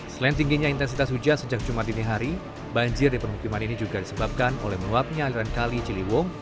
selain tingginya intensitas hujan sejak jumat dini hari banjir di permukiman ini juga disebabkan oleh meluapnya aliran kali ciliwung